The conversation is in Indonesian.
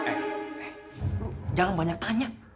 eh eh lo jangan banyak tanya